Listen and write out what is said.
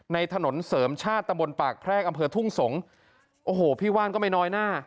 ถนนเสริมชาติตะบนปากแพรกอำเภอทุ่งสงศ์โอ้โหพี่ว่านก็ไม่น้อยหน้า